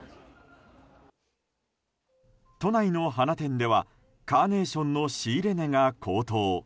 都内の花店ではカーネーションの仕入れ値が高騰。